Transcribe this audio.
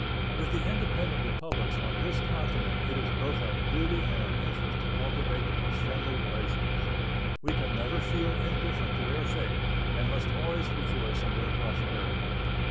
With the independent Republics on this continent it is both our duty and our interest to cultivate the most friendly relations. We can never feel indifferent to their fate, and must always rejoice in their prosperity.